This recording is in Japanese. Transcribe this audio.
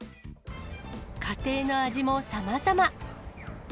家庭の味もさまざま。